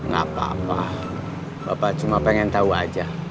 gak apa apa bapak cuma pengen tahu aja